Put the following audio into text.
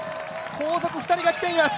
後続２人が来ています